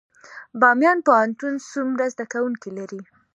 بامیان پوهنتون څومره زده کوونکي لري؟